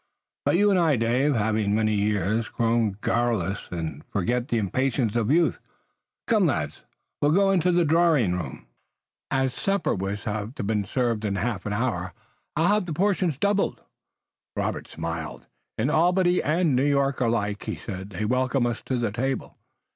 But you and I, Dave, having many years, grow garrulous and forget the impatience of youth. Come, lads, we'll go into the drawing room and, as supper was to have been served in half an hour, I'll have the portions doubled." Robert smiled. "In Albany and New York alike," he said, "they welcome us to the table."